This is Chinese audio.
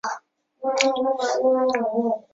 杜宾球孢虫为球孢科球孢虫属的动物。